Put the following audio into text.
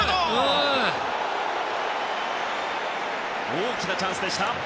大きなチャンスでした。